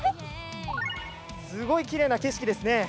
すごいきれいな景色ですね。